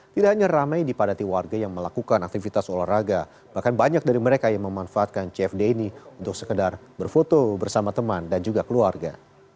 tidak hanya ramai dipadati warga yang melakukan aktivitas olahraga bahkan banyak dari mereka yang memanfaatkan cfd ini untuk sekedar berfoto bersama teman dan juga keluarga